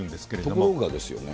ところがですよね。